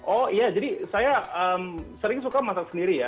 oh iya jadi saya sering suka masak sendiri ya